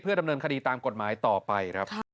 ดำเนินคดีตามกฎหมายต่อไปครับ